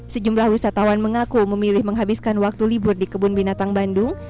sejumlah wisatawan mengaku memilih menghabiskan waktu libur di kebun binatang bandung